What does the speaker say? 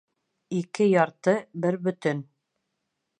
Ике ярты бер бөтөн.